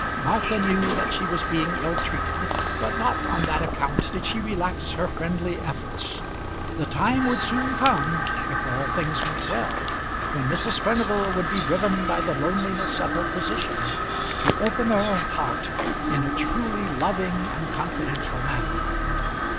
Martha knew that she was being ill treated, but not on that account did she relax her friendly efforts. The time would soon come, if all things went well, when Mrs. Furnival would be driven by the loneliness of her position to open her heart in a truly loving and confidential manner.